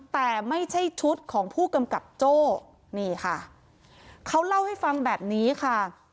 แต่ไม่ใช่ชุดของผู้กำกับโจ้นี่ค่ะเขาเล่าให้ฟังแบบนี้ค่ะ